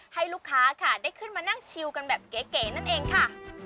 ให้ลูกค้าค่ะได้ขึ้นมานั่งชิวกันแบบเก๋นั่นเองค่ะ